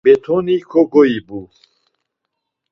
Betoni kogoyibu.